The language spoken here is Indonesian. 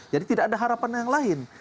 jadi tidak ada harapan yang lain